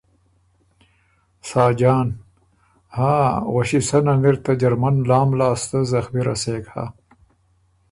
ساجان ـــ هاں غؤݭی سنن اِر ته جرمن لام لاسته زخمی رسېک هۀ۔